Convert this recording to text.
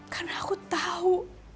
karena aku tahu